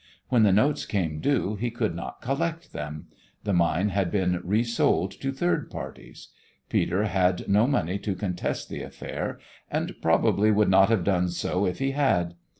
When the notes came due he could not collect them. The mine had been resold to third parties. Peter had no money to contest the affair; and probably would not have done so if he had.